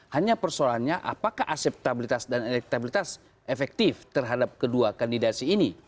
hanya persoalannya apakah aseptabilitas dan elektabilitas efektif terhadap kedua kandidasi ini